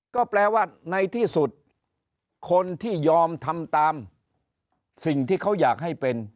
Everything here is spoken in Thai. ก็แปลว่าในที่สุดคนที่ยอมทำตามสิ่งที่เขาอยากให้เป็น